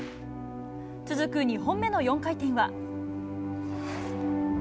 続く２本目の４回転は。